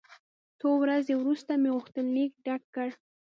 څو ورځې وروسته مې غوښتنلیک ډک کړ.